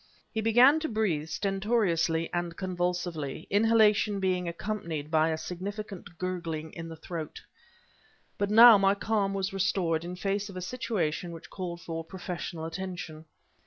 He began to breathe stentoriously and convulsively, inhalation being accompanied by a significant gurgling in the throat. But now my calm was restored in face of a situation which called for professional attention.